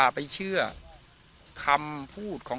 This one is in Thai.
วันนี้ก็จะเป็นสวัสดีครับ